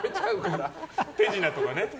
手品とかね。